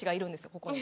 ここに。